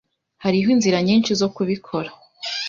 Hariho inzira nyinshi zo kubikora.